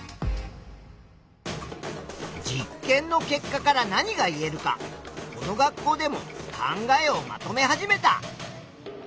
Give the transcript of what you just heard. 実験の結果から何が言えるかこの学校でも考えをまとめ始めた。